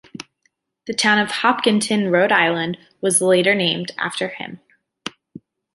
The town of Hopkinton, Rhode Island, was later named after him.